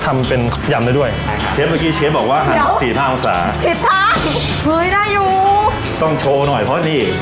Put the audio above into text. ขออนุญาตดูใกล้ได้ไหมคะได้จริงเหรอคะ